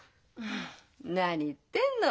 ん何言ってんの。